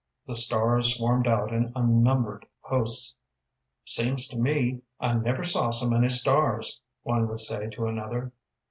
The stars swarmed out in unnumbered hosts. "Seems to me I never saw so many stars," one would say to another.